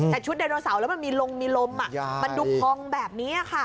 แต่ชุดไดโนเสาร์แล้วมันมีลมมีลมมันดูพองแบบนี้ค่ะ